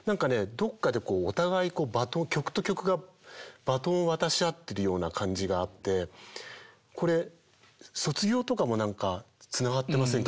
どこかでこうお互い曲と曲がバトンを渡し合ってるような感じがあってこれ「卒業」とかもつながってませんか？